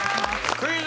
クイズ。